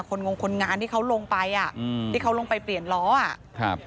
งงคนงานที่เขาลงไปอ่ะอืมที่เขาลงไปเปลี่ยนล้ออ่ะครับ